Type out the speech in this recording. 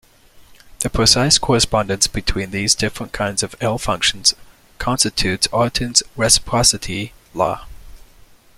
The precise correspondence between these different kinds of L-functions constitutes Artin's reciprocity law.